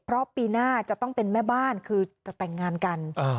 เพราะปีหน้าจะต้องเป็นแม่บ้านคือจะแต่งงานกัน